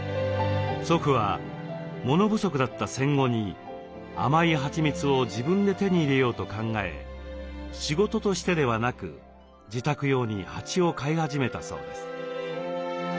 祖父は物不足だった戦後に甘いはちみつを自分で手に入れようと考え仕事としてではなく自宅用に蜂を飼い始めたそうです。